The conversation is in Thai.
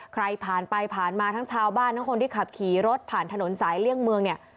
ใครผ่านไปผ่านมาทั้งชาวบ้านทั้งคนที่ขับขี่รถผ่านถนนสายเลี่ยงเมืองเนี่ย